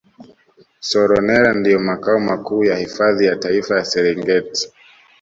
Seronera ndio makao makuu ya hifadhi ya Taifa ya Serengeti